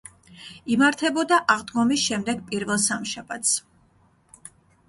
იმართებოდა აღდგომის შემდეგ პირველ სამშაბათს.